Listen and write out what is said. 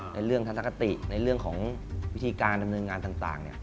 ในเรื่องทัศนคติในเรื่องของวิธีการดำเนินงานต่าง